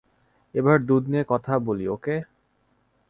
এবার দুধ নিয়ে কথা বলি, ওকে?